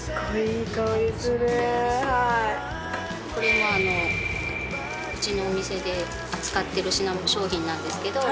これもうちのお店で扱ってる商品なんですけど。